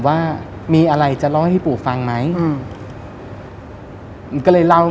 ว่ามีอะไรจะเล่าให้ปู่ฟังไหมอืมก็เลยเล่า